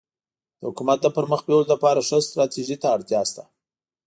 د حکومت د پرمخ بیولو لپاره ښه ستراتيژي ته اړتیا سته.